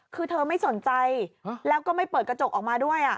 คือเธอไม่สนใจแล้วก็ไม่เปิดกระจกออกมาด้วย